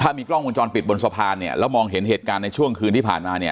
มีกล้องวงจรปิดบนสะพานเนี่ยแล้วมองเห็นเหตุการณ์ในช่วงคืนที่ผ่านมาเนี่ย